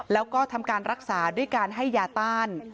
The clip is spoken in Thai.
แล้วก็ทำการรักษาด้วยการให้ยาต้าน